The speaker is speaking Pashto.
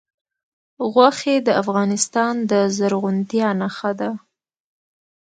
غوښې د افغانستان د زرغونتیا نښه ده.